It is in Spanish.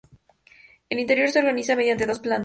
El interior se organiza mediante dos plantas.